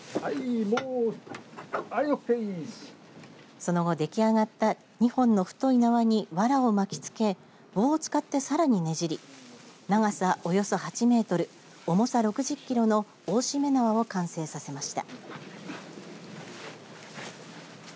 その後出来上がった２本の太い縄にわらを巻きつけ棒を使ってさらにねじり長さおよそ８メートル重さ６０キロの大しめ縄を完成させました。